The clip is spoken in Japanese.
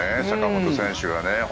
坂本選手はね。